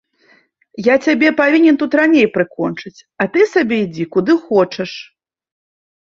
Я цябе павінен тут раней прыкончыць, а ты сабе ідзі куды хочаш.